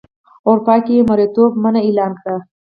اروپا کې یې مریتوب منع اعلان کړ.